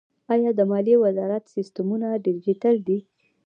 آیا د مالیې وزارت سیستمونه ډیجیټل دي؟